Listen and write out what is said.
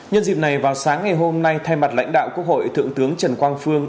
nhân dịp này vào sáng ngày hôm nay thay mặt lãnh đạo quốc hội thượng tướng trần quang phương